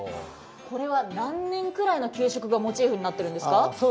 これは何年くらいの給食がモチーフになっているんですか？